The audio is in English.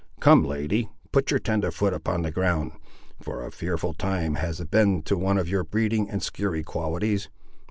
Come, lady, put your tender foot upon the ground—for a fearful time has it been to one of your breeding and skeary qualities.